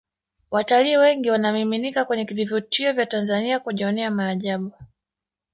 watalii wengi wanamiminika kwenye vivutio vya tanzania kujionea maajabu